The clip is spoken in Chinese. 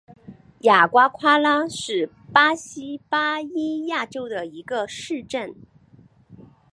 雅瓜夸拉是巴西巴伊亚州的一个市镇。